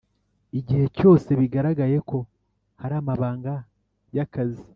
Igihe cyose bigaragaye ko haramabanga ya kazi